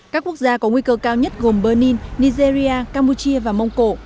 các quốc gia có nguy cơ cao nhất gồm berlin nigeria campuchia và mông cổ